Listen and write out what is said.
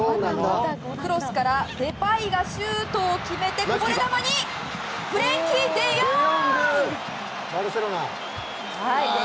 クロスからデパイがシュートを決めてこぼれ球にフレンキー・デヨング！